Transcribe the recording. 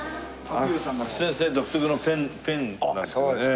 先生独特のペンなんですけどね。